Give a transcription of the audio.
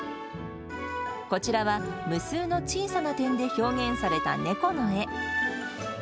こちらは、無数の小さな点で表現された猫の絵。